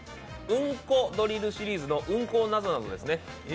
うんこドリルシリーズの「うんこなぞなぞ」ですね。